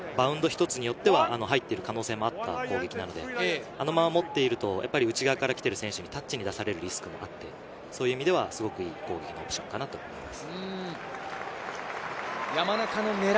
今のもバウンド一つによっては入ってる可能性もあった攻撃なので、あのまま持っていると内側に来ている選手にタッチに出されるリスクがあって、そういう意味では、いい攻撃の形かなと思います。